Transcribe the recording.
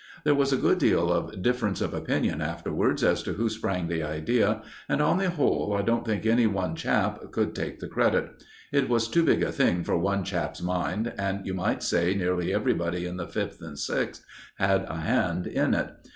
There was a good deal of difference of opinion afterwards as to who sprang the idea, and, on the whole, I don't think any one chap could take the credit. It was too big a thing for one chap's mind, and you might say nearly everybody in the Fifth and Sixth had a hand in it.